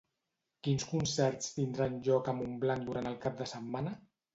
Quins concerts tindran lloc a Montblanc durant el cap de setmana?